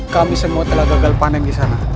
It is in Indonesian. kami semua telah gagal panen di sana